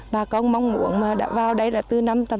bà con mong muốn vào đây là từ năm tám mươi tám tám mươi chín